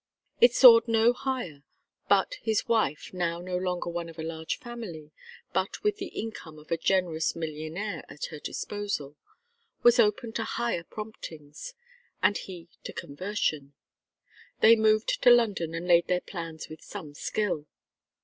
It soared no higher, but his wife, now no longer one of a large family, but with the income of a generous millionaire at her disposal, was open to higher promptings; and he to conversion. They moved to London and laid their plans with some skill.